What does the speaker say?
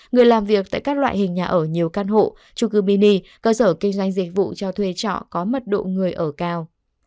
người làm việc tại các loại hình nhà ở nhiều căn hộ trung cư mini cơ sở kinh doanh dịch vụ cho thuê trọ có mật độ người ở cao